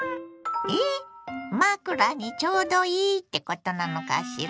⁉枕にちょうどいいってことなのしら？